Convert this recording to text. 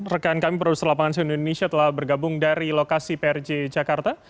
rekan kami produser lapangan si indonesia telah bergabung dari lokasi prj jakarta